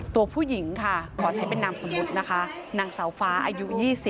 ตัวผู้หญิงค่ะขอใช้เป็นนามสมมุตินะคะนางสาวฟ้าอายุ๒๐